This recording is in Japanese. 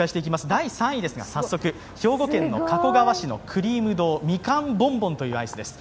第３位ですが、兵庫県加古川市のくりーむ堂、みかんボンボンというアイスです。